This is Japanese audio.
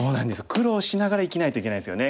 苦労しながら生きないといけないんですよね。